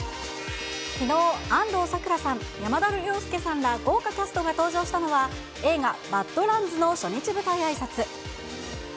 きのう、安藤サクラさん、山田涼介さんら豪華キャストが登場したのは、映画、バッド・ランズの初日舞台あいさつ。